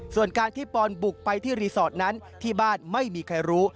ส่วนการที่ปอนบุกไปที่รีสอร์ทนั้นที่บ้านไม่มีใครรู้